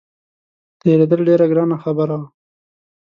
تېرېدل ډېره ګرانه خبره وه.